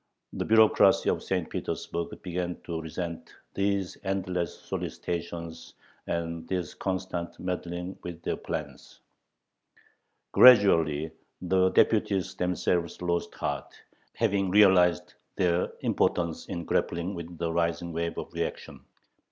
The bureaucracy of St. Petersburg began to resent these endless solicitations and this constant meddling with their plans. Gradually the deputies themselves lost heart, having realized their impotence in grappling with the rising wave of reaction.